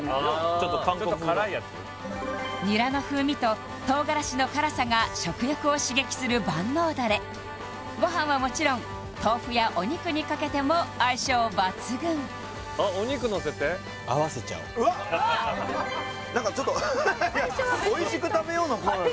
ちょっと韓国風のニラの風味と唐辛子の辛さが食欲を刺激する万能だれご飯はもちろん豆腐やお肉にかけても相性抜群何かちょっとおいしく食べようのコーナー